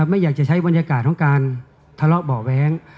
ไม่อยากจะใช้บรรยากาศของการทะเลาะเบาะแว้ง